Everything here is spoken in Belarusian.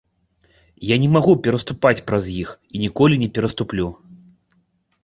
Я не магу пераступаць праз іх і ніколі не пераступлю.